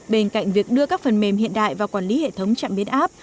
bên cạnh việc đưa các phần mềm hiện đại vào quản lý hệ thống trạm biến áp